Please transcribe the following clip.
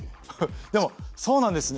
でもそうなんですね？